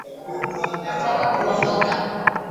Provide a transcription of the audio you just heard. Nataka kuondoka